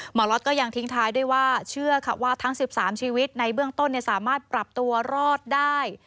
ล็อตก็ยังทิ้งท้ายด้วยว่าเชื่อค่ะว่าทั้ง๑๓ชีวิตในเบื้องต้นสามารถปรับตัวรอดได้